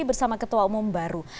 bersama ketua umum baru